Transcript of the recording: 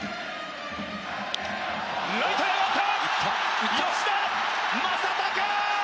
ライトへ上がった！